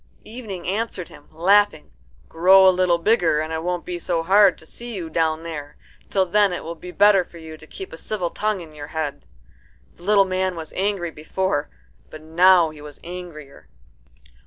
Evening answered him, laughing, "Grow a little bigger, and it won't be so hard to see you down there. Till then it will be better for you to keep a civil tongue in your head." The little man was angry before, but now he was angrier.